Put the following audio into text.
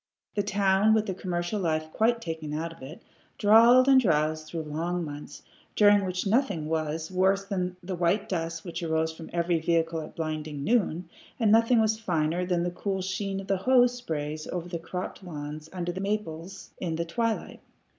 The town, with the commercial life quite taken out of it, drawled and drowsed through long months, during which nothing was worse than the white dust which arose behind every vehicle at blinding noon, and nothing was finer than the cool sheen of the hose sprays over the cropped lawns under the many maples in the twilight.